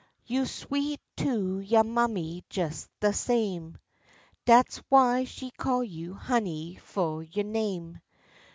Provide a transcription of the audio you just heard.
You's sweet to yo' mammy jes de same; Dat's why she calls you Honey fu' yo' name.